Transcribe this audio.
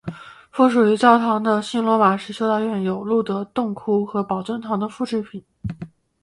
附属于教堂的新罗马式修道院有露德洞窟和宝尊堂的复制品。